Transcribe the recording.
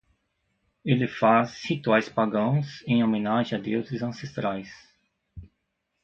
Ele faz rituais pagãos em homenagem a deuses ancestrais